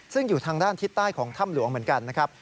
ซึ่งอยู่ทางด้านทิศใต้ของถ้ำหลวงเหมือนกันนะครับ